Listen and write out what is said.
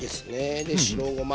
で白ごま。